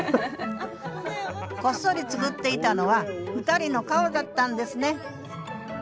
こっそり作っていたのは２人の顔だったんですね